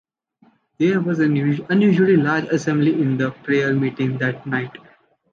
There was an unusually large assembly in the prayer meeting that night.